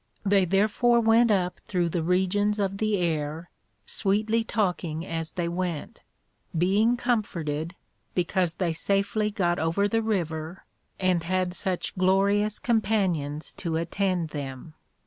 They therefore went up through the Regions of the Air, sweetly talking as they went, being comforted, because they safely got over the River, and had such glorious Companions to attend them.